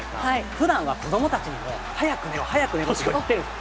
ふだんは子どもたちにも、早く寝ろ、早く寝ろって言ってるんです。